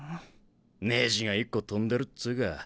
ネジが一個飛んでるっつうか。